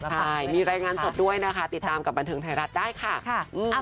ใช่มีรายงานสดด้วยนะคะติดตามกับบันเทิงไทยรัฐได้ค่ะ